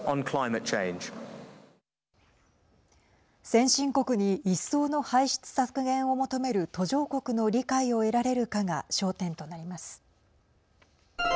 先進国に一層の排出削減を求める途上国の理解を得られるかが焦点となります。